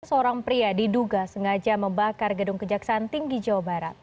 seorang pria diduga sengaja membakar gedung kejaksaan tinggi jawa barat